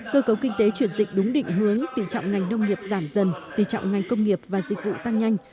cơ cấu kinh tế chuyển dịch đúng định hướng tỉ trọng ngành nông nghiệp giảm dần tỉ trọng ngành công nghiệp và dịch vụ tăng nhanh